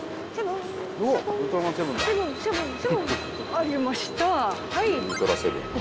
・ありましたはい。